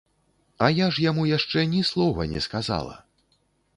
А я ж яму яшчэ ні слова не сказала.